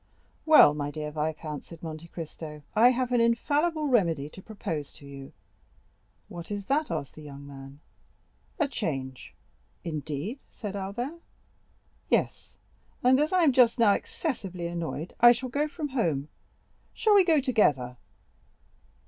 "Well, my dear viscount," said Monte Cristo, "I have an infallible remedy to propose to you." "What is that?" asked the young man. "A change." "Indeed?" said Albert. "Yes; and as I am just now excessively annoyed, I shall go from home. Shall we go together?"